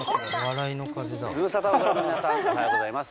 ズムサタをご覧の皆さん、おはようございます。